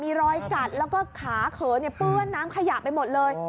มีรอยกัดแล้วก็ขาเขินเปื้อนน้ำขยะไปหมดเลย